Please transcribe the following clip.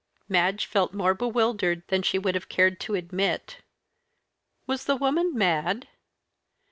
Madge felt more bewildered than she would have cared to admit. Was the woman mad?